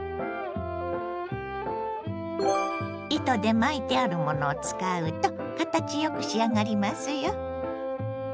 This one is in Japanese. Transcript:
糸で巻いてあるものを使うと形よく仕上がりますよ。